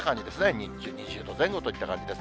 日中２０度前後といった感じです。